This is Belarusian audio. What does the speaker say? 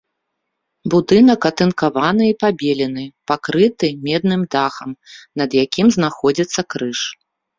Будынак атынкаваны і пабелены, пакрыты медным дахам, над якім знаходзіцца крыж.